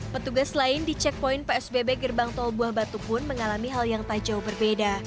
petugas lain di cekpoin psbb gerbang tolbuabatu pun mengalami hal yang tak jauh berbeda